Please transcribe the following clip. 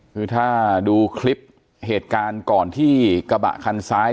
คือถ้าดูคลิปเหตุการณ์ก่อนที่กระบะคันซ้าย